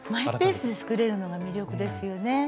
マイペースで作れるのが魅力ですよね。